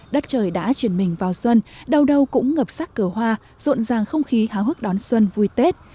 đất trời đã chuyển mình vào xuân đầu đầu cũng ngập sắc cờ hoa ruộn ràng không khí háo hức đón xuân vui tết